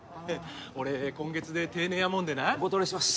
俺今月で定年やもんでなお断りします